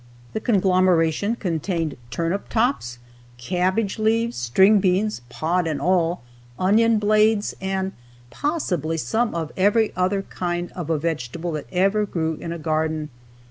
The conglomeration contained turnip tops, cabbage leaves, string beans (pod and all), onion blades, and possibly some of every other kind of a vegetable that ever grew in a garden.